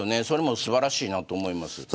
それもすばらしいと思います。